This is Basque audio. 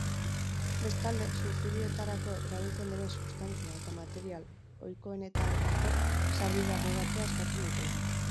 Bestalde, suizidioetarako erabiltzen diren substantzia eta material ohikoenetarako sarbidea mugatzea eskatzen dute.